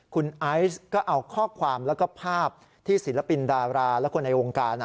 คุณไอซ์ก็เอาข้อความแล้วก็ภาพที่ศิลปินดาราและคนในวงการ